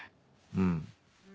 うん。